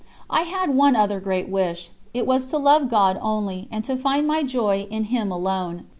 I had one other great wish; it was to love God only, and to find my joy in Him alone.